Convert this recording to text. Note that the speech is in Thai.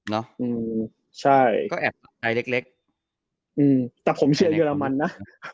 เนอะก็แอบสนใจเล็กแต่ผมเชื่อเยอรมันนะ